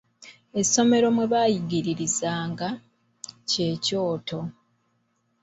Essomero mwe baayigiririzanga, kye kyoto.